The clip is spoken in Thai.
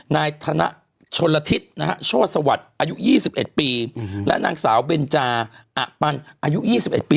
นายธนชนลทิศนะฮะโชธสวัสดิ์อายุ๒๑ปีและนางสาวเบนจาอะปันอายุ๒๑ปี